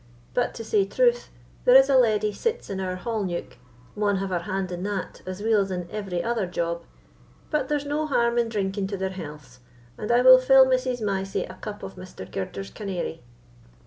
But, to say truth, there is a leddy sits in our hall neuk, maun have her hand in that as weel as in every other job. But there's no harm in drinking to their healths, and I will fill Mrs. Mysie a cup of Mr. Girder's canary."